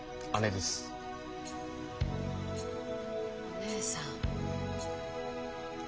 お姉さん。